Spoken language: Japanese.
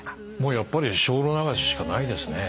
やっぱり『精霊流し』しかないですね。